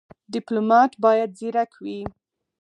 ډيپلومات بايد ځيرک وي.